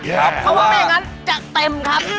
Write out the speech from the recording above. เพราะว่าไม่อย่างนั้นจะเต็มครับ